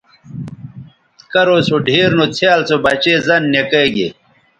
کرو سو ڈِھیر نو څھیال سو بچے زَن نِکئے گے